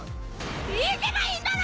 行けばいいんだろ